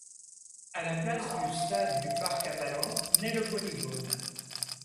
À la place du stade du Parc-à-Ballons naît le Polygone.